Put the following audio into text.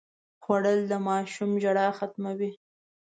خوړل د ماشوم ژړا ختموي